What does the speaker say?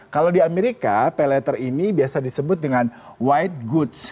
kalau di amerika pay letter ini biasa disebut dengan white goods